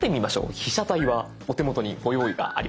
被写体はお手元にご用意があります。